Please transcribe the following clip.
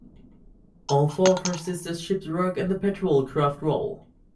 All four of her sister ships work in the patrol craft role.